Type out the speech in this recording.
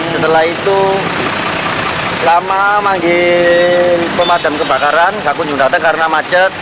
setelah itu lama manggil pemadam kebakaran tak kunjung datang karena macet